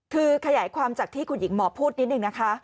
คือขยายความจากที่คุณหญิงหมอพูดนิดนึงนะคะ